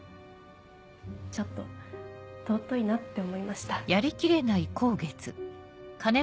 ちょっと尊いなって思いました。